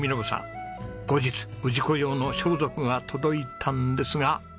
後日氏子用の装束が届いたんですが。